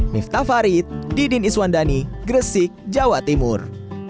miftah farid didin iswandani gresik jawa timur